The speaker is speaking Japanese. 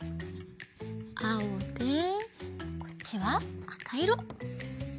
あおでこっちはあかいろ！